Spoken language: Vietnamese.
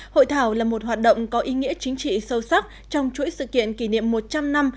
hội thảo là một hoạt động có ý nghĩa chính trị sâu sắc trong chuỗi sự kiện kỷ niệm một trăm linh năm